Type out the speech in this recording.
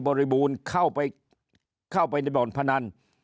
บริบูรณ์เข้าไปในบอลพนัน